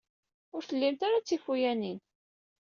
Ur tellimt ara d tiwfayanin.